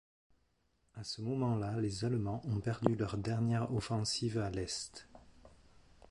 À ce moment-là, les Allemands ont perdu leur dernière offensive à l'Est.